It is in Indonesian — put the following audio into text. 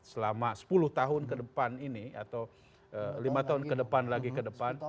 selama sepuluh tahun ke depan ini atau lima tahun ke depan lagi ke depan